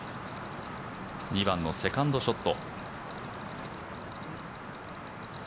２番のセカンドショット。